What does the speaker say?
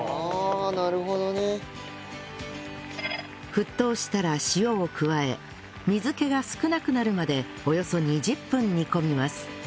沸騰したら塩を加え水気が少なくなるまでおよそ２０分煮込みます